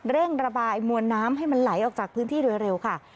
เร่งระบายมวลน้ำให้มันไหลออกจากพื้นที่โดยเร็วค่ะ